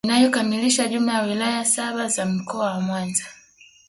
inayokamilisha jumla ya wilaya saba za Mkoa wa Mwanza